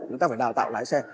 người ta phải đào tạo lái xe